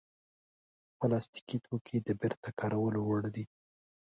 پلاستيکي توکي د بېرته کارولو وړ دي.